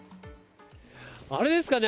あれですかね。